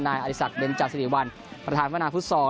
นายอาริสักเดนจาวซิริวัลประธานพระนาภูตซอล